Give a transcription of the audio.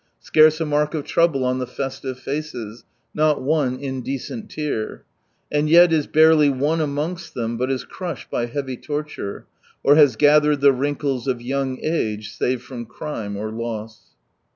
Scarce a mark of trouble on the festive faces, Not one indecent tear ! And yet is barely one amongsPthem But is crushed by heavy torture, Or has gathered the wrinkles of young age Save from crime or loss.